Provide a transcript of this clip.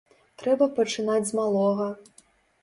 Трэба пачынаць з малога.